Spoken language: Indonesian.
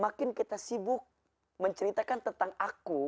makin kita sibuk menceritakan tentang aku